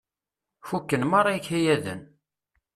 Fukken meṛṛa ikayaden.